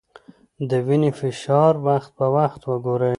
د وینې فشار وخت په وخت وګورئ.